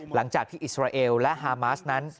หลังจากที่อิสราเอลและฮามาสนั้น